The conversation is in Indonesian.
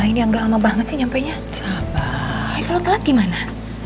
ini enggak lama banget sih nyampe nya sabar kalau telat gimana